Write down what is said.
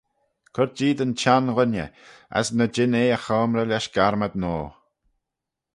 Cur jeed yn çhenn ghooinney as ny jean eh y choamrey lesh garmad noa.